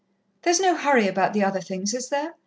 "There's no hurry about the other things, is there?"